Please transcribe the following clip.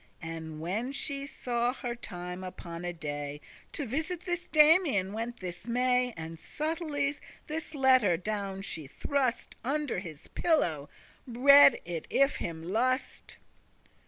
And when she saw her time upon a day To visit this Damian went this May, And subtilly this letter down she thrust Under his pillow, read it if him lust.